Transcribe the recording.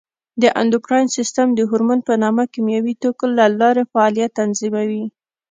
د اندوکراین سیستم د هورمون په نامه کیمیاوي توکو له لارې فعالیت تنظیموي.